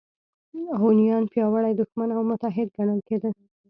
هونیان پیاوړی دښمن او متحد ګڼل کېده